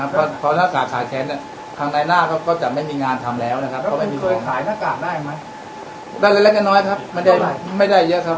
เพราะว่ายังจะไม่ขาดแทนนะครับ